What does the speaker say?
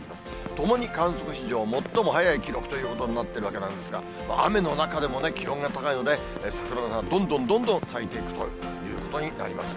ともに観測史上最も早い記録ということになってるわけなんですが、雨の中でもね、気温が高いので、桜がどんどんどんどん咲いていくということになります。